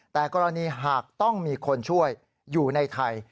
แต่กรณีหากต้องมีคนช่วยอยู่ในไทย